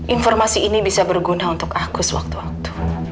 informasi ini bisa berguna untuk aku sewaktu waktu